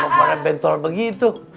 kenapa pada bentol begitu